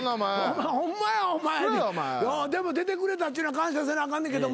でも出てくれたっていうのは感謝せなあかんねんけどもやな。